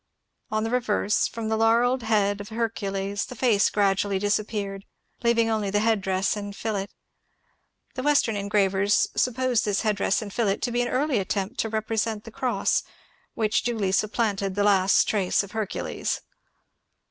On the reverse, from the laurelled head of Hercules the face gradually disappeared, leaving only the headdress and fillet. The western engravers supposed this headdress and fillet to be an early attempt to represent the cross, which duly supplanted the last trace of Hercules.